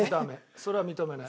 それは認めない。